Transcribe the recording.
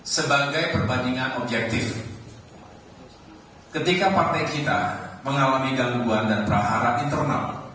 sebagai perbandingan objektif ketika partai kita mengalami gangguan dan praharat internal